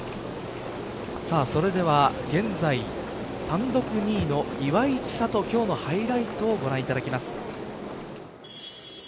それでは現在、単独２位の岩井千怜今日のハイライトをご覧いただきます。